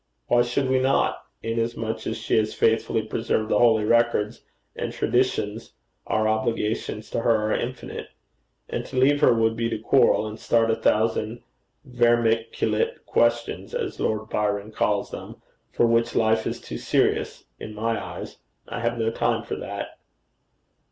Why should we not? In as much as she has faithfully preserved the holy records and traditions, our obligations to her are infinite. And to leave her would be to quarrel, and start a thousand vermiculate questions, as Lord Bacon calls them, for which life is too serious in my eyes. I have no time for that.'